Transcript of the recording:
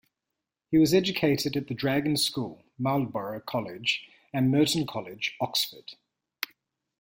He was educated at the Dragon School, Marlborough College, and Merton College, Oxford.